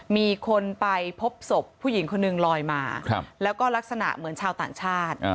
มีคนไปพบศพผู้หญิงคนหนึ่งลอยมาแล้วก็ลักษณะเหมือนชาวต่างชาติ